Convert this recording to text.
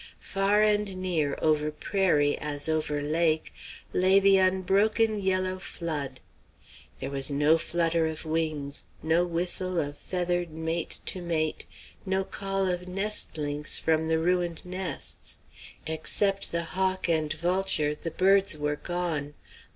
Far and near, over prairie as over lake, lay the unbroken yellow flood. There was no flutter of wings, no whistle of feathered mate to mate, no call of nestlings from the ruined nests. Except the hawk and vulture, the birds were gone.